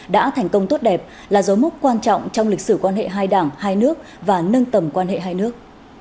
đã thành công tốt đẹp là dấu mốc quan trọng trong lịch sử quan hệ hai đảng hai nước và nâng tầm quan hệ hai nước